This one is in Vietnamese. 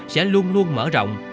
sẽ luôn luôn mở rộng